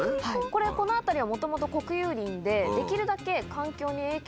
これこの辺りはもともと国有林でできるだけ。